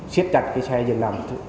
ship chặt cái xe dừng nằm